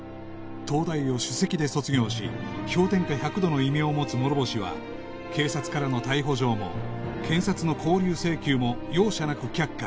東大を首席で卒業し氷点下１００度の異名を持つ諸星は警察からの逮捕状も検察の勾留請求も容赦なく却下